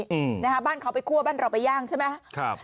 อืมนะฮะบ้านเขาไปคั่วบ้านเราไปย่างใช่ไหมครับ